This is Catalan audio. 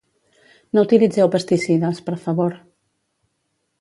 No utilitzeu pesticides, per favor